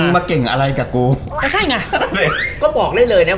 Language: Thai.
มาเก่งอะไรกับกูก็ใช่ไงก็บอกได้เลยเนี้ย